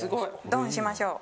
ドンしましょう。